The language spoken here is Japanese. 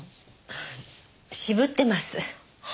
渋ってます。